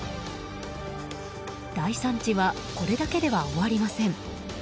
大惨事はこれだけでは終わりません。